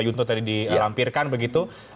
yunto tadi dilampirkan begitu